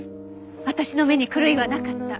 私の目に狂いはなかった。